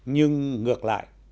nhưng ngược lại